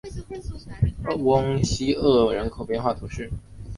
翁西厄人口变化图示